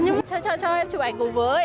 nhưng mà cho cho cho em chụp ảnh cùng với